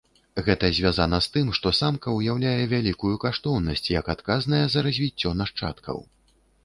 Гэта звязана з тым, што самка ўяўляе вялікую каштоўнасць як адказная за развіццё нашчадкаў.